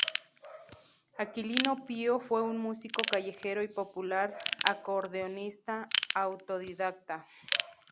Aquilino Pío fue un músico callejero y popular, acordeonista autodidacta.